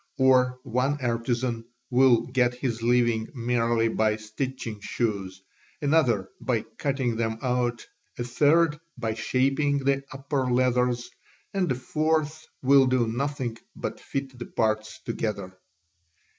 Or one artisan will get his living merely by stitching shoes, another by cutting them out, a third by shaping the upper leathers, and a fourth will do nothing but fit the parts together.